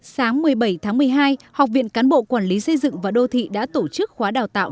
sáng một mươi bảy tháng một mươi hai học viện cán bộ quản lý xây dựng và đô thị đã tổ chức khóa đào tạo